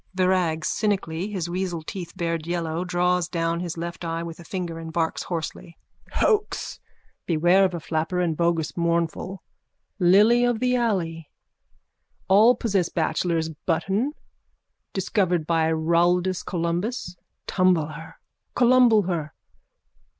VIRAG: (Cynically, his weasel teeth bared yellow, draws down his left eye with a finger and barks hoarsely.) Hoax! Beware of the flapper and bogus mournful. Lily of the alley. All possess bachelor's button discovered by Rualdus Columbus. Tumble her. Columble her.